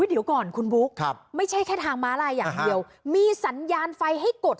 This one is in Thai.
เดี๋ยวก่อนคุณบุ๊คไม่ใช่แค่ทางม้าลายอย่างเดียวมีสัญญาณไฟให้กด